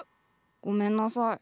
ごめんなさい。